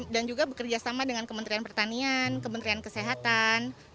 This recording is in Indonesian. dan juga bekerja sama dengan kementerian pertanian kementerian kesehatan